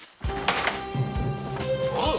おう！